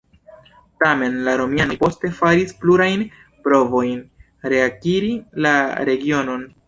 Tamen, la romianoj poste faris plurajn provojn reakiri la regionon.